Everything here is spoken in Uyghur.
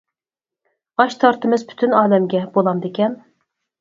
ئاش تارتىمىز پۈتۈن ئالەمگە، بولامدىكەن؟ !